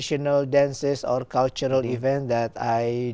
cho năm mới việt nam